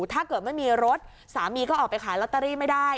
ถ้าเกิดไม่มีรถสามีก็ออกไปขายลอตเตอรี่ไม่ได้